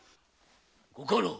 ご家老。